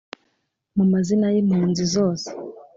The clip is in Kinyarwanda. mu mazina yimpunzi zose